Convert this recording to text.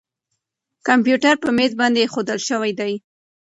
کمپیوټر په مېز باندې اېښودل شوی دی.